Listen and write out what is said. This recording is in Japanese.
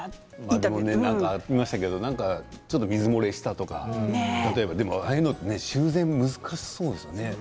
ちょっと水漏れしたとかねああいうのは修繕が難しそうですよね。